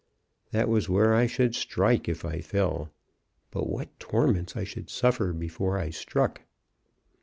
That was where I should strike if I fell; but what torments I should suffer before I struck!